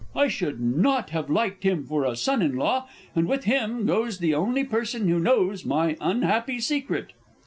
I should not have liked him for a son in law, and with him, goes the only person who knows my unhappy secret!